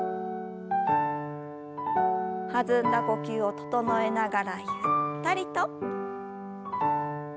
弾んだ呼吸を整えながらゆったりと。